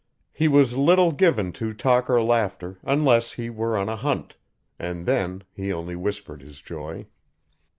He was little given to talk or laughter unless he were on a hunt, and then he only whispered his joy.